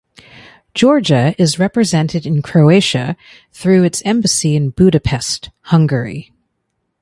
Georgia is represented in Croatia through its embassy in Budapest (Hungary).